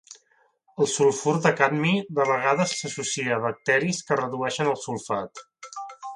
El sulfur de cadmi de vegades s'associa a bacteris que redueixen el sulfat.